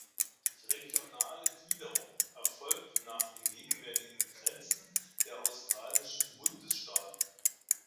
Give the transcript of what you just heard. Die regionale Gliederung erfolgt nach den gegenwärtigen Grenzen der australischen Bundesstaaten.